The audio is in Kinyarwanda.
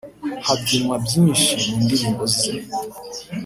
habyinwa nyinshi mu ndirimbo ze